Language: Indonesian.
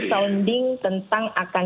sounding tentang akan